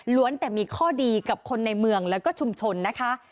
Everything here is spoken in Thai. แต่มีข้อดีกับคนในเมืองแล้วก็ชุมชนนะคะ